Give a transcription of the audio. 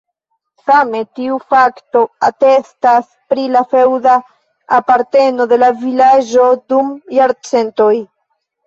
Same tiu fakto atestas pri la feŭda aparteno de la vilaĝo dum jarcentoj.